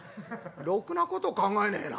「ろくなこと考えねえな。